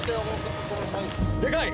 でかい！